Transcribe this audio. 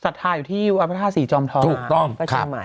สัตว์ทาอยู่ที่วัฒนธาษีจอมท้องภาคเชียงใหม่